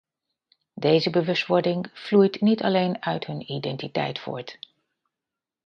Deze bewustwording vloeit niet alleen uit hun identiteit voort.